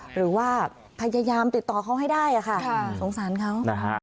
หรือว่าพยายามติดต่อเขาให้ได้ค่ะสงสารเขานะฮะ